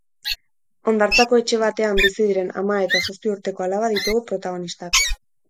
Hondartzako etxe batean bizi diren ama eta zazpi urteko alaba ditugu protagonistak.